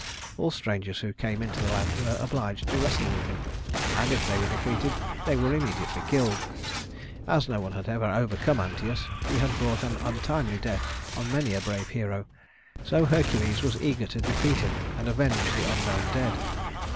All strangers who came into the land were obliged to wrestle with him, and if they were defeated, they were immediately killed. As no one had ever overcome Anteus, he had brought an untimely death on many a brave hero; so Hercules was eager to defeat him and avenge the unknown dead.